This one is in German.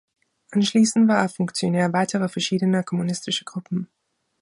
Anschließend war er Funktionär weiterer verschiedener kommunistischer Gruppen.